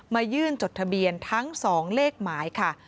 ยื่นจดทะเบียนทั้ง๒เลขหมายค่ะ